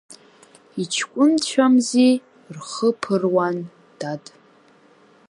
Иҷкәынцәамзи, рхы ԥыруан, дад!